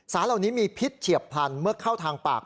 สารเหล่านี้มีพิษเฉียบพลันเมื่อเข้าทางปาก